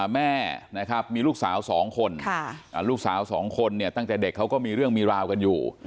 แม่นะครับมีลูกสาว๒คนลูกสาว๒คนเนี่ยตั้งแต่เด็กเขาก็มีเรื่องมีราวกันอยู่